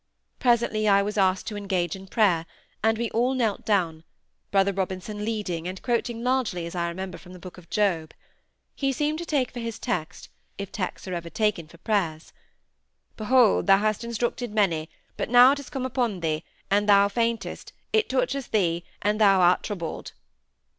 Presently I was asked to "engage in prayer", and we all knelt down; Brother Robinson "leading", and quoting largely as I remember from the Book of Job. He seemed to take for his text, if texts are ever taken for prayers, "Behold thou hast instructed many; but now it is come upon thee, and thou faintest, it toucheth thee and thou art troubled."